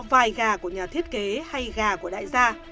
vài gà của nhà thiết kế hay gà của đại gia